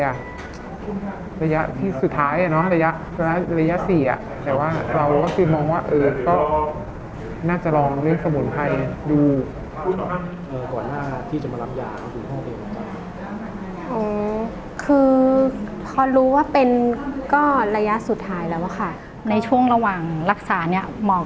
แล้วคุณพ่อคุณพ่อคุณพ่อคุณพ่อคุณพ่อคุณพ่อคุณพ่อคุณพ่อคุณพ่อคุณพ่อคุณพ่อคุณพ่อคุณพ่อคุณพ่อคุณพ่อคุณพ่อคุณพ่อคุณพ่อคุณพ่อคุณพ่อคุณพ่อคุณพ่อคุณพ่อคุณพ่อคุณพ่อคุณพ่อคุณพ่อคุณพ่อคุณพ่อคุณพ่อคุณพ่อคุณพ่อคุณพ่อคุณพ่อคุณพ่อคุณพ่อคุ